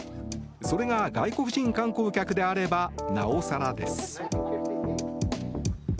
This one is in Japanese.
それが外国人観光客であればなおさらです。